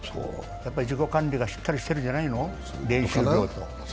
自己管理がしっかりしてるんじゃないの。